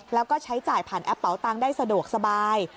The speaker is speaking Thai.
แล้วก็ใช้จ่ายผ่านแอปเป๋าตังค์ได้สะดวกสบาย